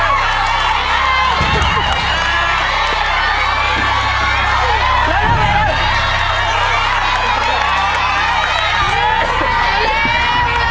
น้ำแดงลงไปน้ำทุ่มลงไปแล้ว